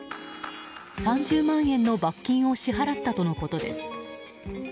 ３０万円の罰金を支払ったとのことです。